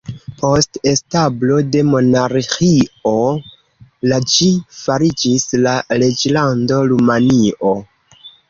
Post establo de monarĥio la ĝi fariĝis la Reĝlando Rumanio.